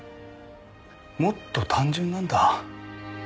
もっと単純なんだ。